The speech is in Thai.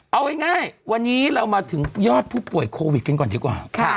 เอาง่ายวันนี้เรามาถึงยอดผู้ป่วยโควิดกันก่อนดีกว่า